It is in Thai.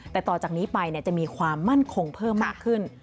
แต่ต่อจากนี้ไปจะมีความมั่นคงเพิ่มมากขึ้น